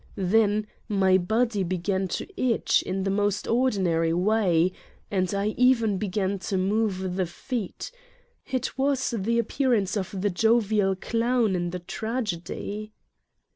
Then my body be gan to itch in the most ordinary way and I even began to move the feet : it was the appearance of the jovial clown in the tragedy!